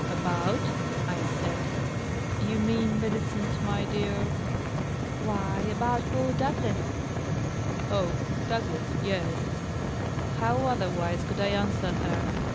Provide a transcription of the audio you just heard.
" About ..?" I said. " You mean, Millicent, my dear ••?"" Why, about poor Douglas." "OhI .. Douglas. . .Yes." How otherwise could I answer her?